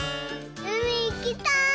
うみいきたい！